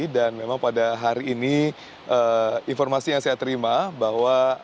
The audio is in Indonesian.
dan memang pada hari ini informasi yang saya terima bahwa